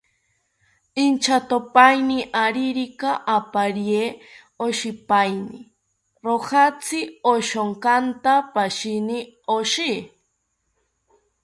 Inchatopaeni aririka oparye oshipaeni, rojatzi oshokanta pashini oshi